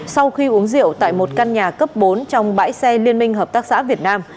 sau khi uống rượu tại một căn nhà cấp bốn trong bãi xe liên minh hợp tác xã việt nam